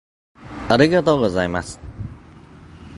Martin reached second, but was cut down in a rundown.